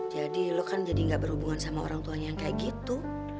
jadi lu kan jadi nggak berhubungan sama orang tuanya yang kayak gitu